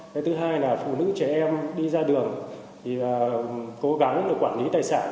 cái thứ hai là phụ nữ trẻ em đi ra đường cố gắng quản lý tài sản